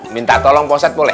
minta tolong poset boleh